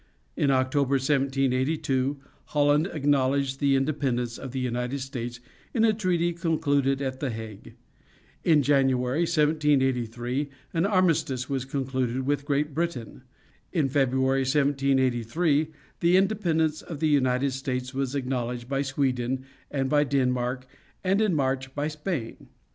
In October, 1782, Holland acknowledged the independence of the United States in a treaty concluded at The Hague. In January, 1783, an armistice was concluded with Great Britain. In February, 1783, the independence of the United States was acknowledged by Sweden and by Denmark, and in March by Spain.